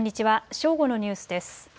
正午のニュースです。